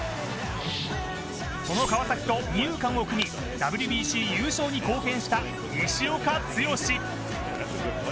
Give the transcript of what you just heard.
その川崎と二遊間を組みＷＢＣ優勝に貢献した西岡剛。